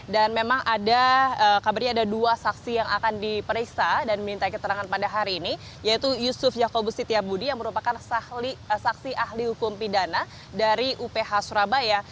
dan memang ada kabarnya ada dua saksi yang akan diperiksa dan minta keterangan pada hari ini yaitu yusuf yaakobus sitiabudi yang merupakan saksi ahli hukum pidana dari uph surabaya